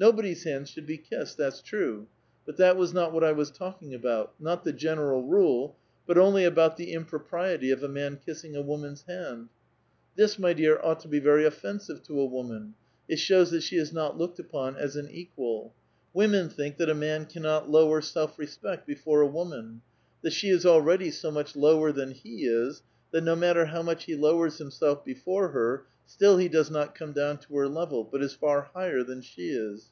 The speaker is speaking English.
Nobody's hands should be kissed ; that's true : but t:liat was not what I was talking about ; not tlie general rule, "but only about the impropriety of a man kissing a woman's Iiaiid. This, my dear^ ought to be very offensive to a 'woman ; it sliows that she is not looked upon as an equal. AVomen think that a man cannot lower self respect before a ^VFoman ; that she is already so much lower than he is, that no matter how much he lowers himself before her, still he c^oes not come down to her level, but is far higher than she is.